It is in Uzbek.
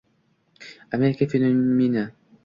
Amerika fenomeni